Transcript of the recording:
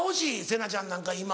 せなちゃんなんか今。